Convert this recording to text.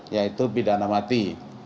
yaitu pidana mati